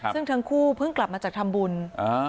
ซึ่งทั้งคู่เพิ่งกลับมาจากทำบุญ